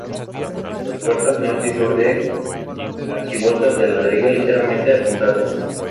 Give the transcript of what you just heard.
Las puertas norte y sur de arquivoltas de ladrillo ligeramente apuntadas.